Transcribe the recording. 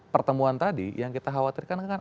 pertemuan tadi yang kita khawatirkan kan